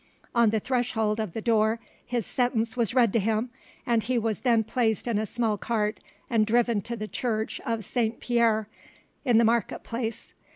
On the threshold of the door his sentence was read to him, and he was then placed in a small cart and driven to the church of St. Pierre in the market place.